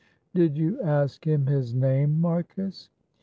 "Did you ask him his name, Marcus?"